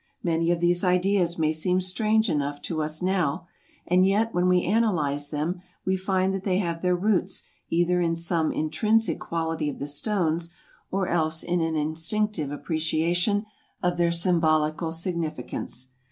Many of these ideas may seem strange enough to us now, and yet when we analyze them we find that they have their roots either in some intrinsic quality of the stones or else in an instinctive appreciation of their symbolical significance.